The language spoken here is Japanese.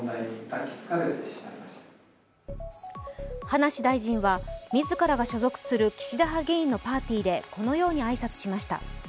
葉梨大臣は自らが所属する岸田派議員のパーティーでこのように挨拶しました。